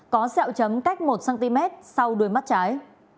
có xeo chấm cách một cm sau đuôi mắt trái